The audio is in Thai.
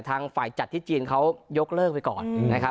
ทางฝ่ายจัดที่จีนเขายกเลิกไปก่อนนะครับ